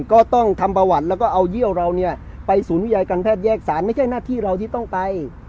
ก็ต้องทำประวัติแล้วก็เอาเยี่ยวเราเนี่ยไปศูนย์วิจัยการแพทย์แยกสารไม่ใช่หน้าที่เราที่ต้องไป